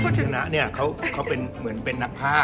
คุณชนะเนี่ยเขาเป็นเหมือนเป็นนักผ้า